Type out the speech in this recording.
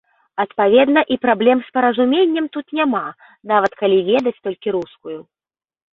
Адпаведна, і праблем з паразуменнем тут няма, нават калі ведаць толькі рускую.